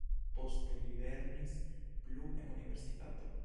Poste li lernis plu en universitato.